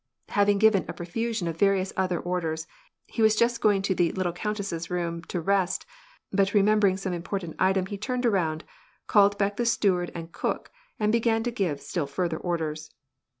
Having given a profusion of various other orders, he was |ust going to the "little countess's" room to rest, but remem )ering some important item he turned round, called back the Iteward and cook and began to give still further orders.